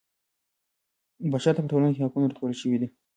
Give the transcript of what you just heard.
بشر ته په ټولنه کې حقونه ورکړل شوي دي.